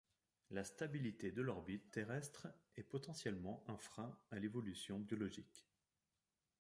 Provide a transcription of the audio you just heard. La stabilité de l'orbite terrestre est potentiellement un frein à l'évolution biologique.